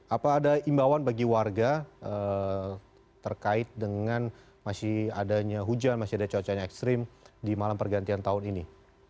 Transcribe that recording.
apa ada imbauan bagi warga terkait dengan masih adanya hujan masih ada cuacanya ekstrim di malam pergantian tahun ini